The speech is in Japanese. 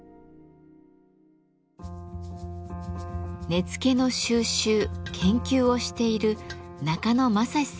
根付の収集研究をしている中野将志さんです。